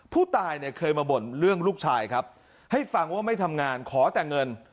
ผู้ตายเนี่ยเคยมาบ่นเรื่องลูกชายครับให้ฟังว่าไม่ทำงานขอแต่เงิน